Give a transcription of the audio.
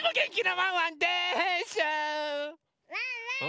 ・ワンワーン！